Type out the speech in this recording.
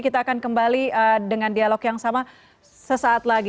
kita akan kembali dengan dialog yang sama sesaat lagi